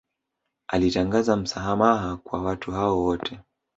Alitangaza msamaha kwa watu hao wote